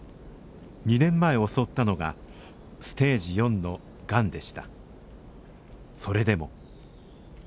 ２年前襲ったのがステージ４のがんでした。